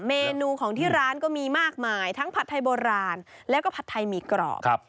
เมนูของที่ร้านก็มีมากมายทั้งผัดไทยโบราณแล้วก็ผัดไทยหมี่กรอบครับ